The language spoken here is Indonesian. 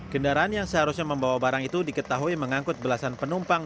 kendaraan yang seharusnya membawa barang itu diketahui mengangkut belasan penumpang